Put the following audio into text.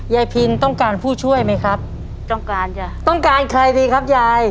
ยายพินต้องการผู้ช่วยมั้ยครับ